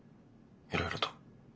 いろいろと。